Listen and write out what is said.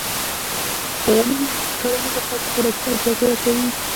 د غنمو او وریجو کرنه د خلکو خوراکي اړتیا پوره کوي.